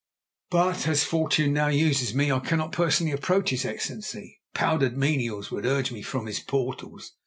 But, as Fortune now uses me, I cannot personally approach his Excellency. Powdered menials would urge me from his portals.